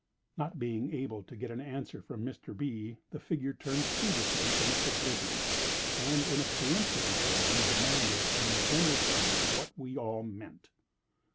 Not being able to get an answer from Mr. B., the figure turned peevishly to Mr. Gliddon, and, in a peremptory tone, demanded in general terms what we all meant.